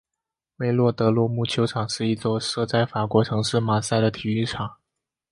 韦洛德罗姆球场是一座设在法国城市马赛的体育场。